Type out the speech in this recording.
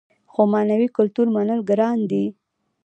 خو معنوي کلتور منل ګران کار دی.